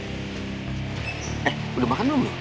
eh udah makan belum